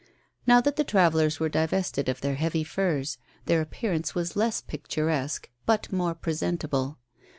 Now that the travellers were divested of their heavy furs, their appearance was less picturesque but more presentable.